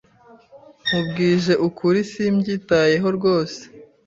Nkubwije ukuri, simbyitayeho rwose.